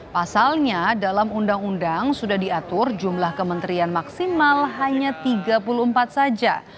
pasalnya dalam undang undang sudah diatur jumlah kementerian maksimal hanya tiga puluh empat saja